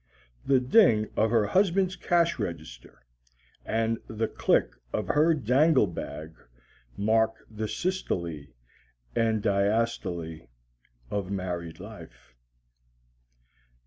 The ding of her husband's cash register and the click of her dangle bag mark the systole and diastole of married life.